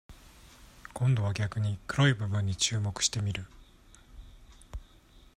今度は逆に、黒い部分に注目してみる。